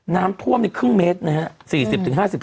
น้ำท่วมในครึ่งเมตรนะครับ